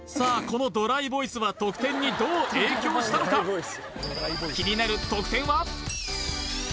このドライボイスは得点にどう影響したのか気になる得点は？